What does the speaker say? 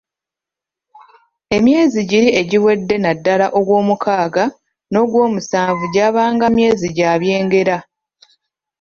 Emyezi giri egiwedde naddala ogw'omukaaga, n'ogwomusanvu gyabanga myezi gya byengera.